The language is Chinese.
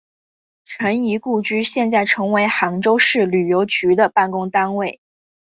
陈仪故居现在成为杭州市旅游局的办公单位。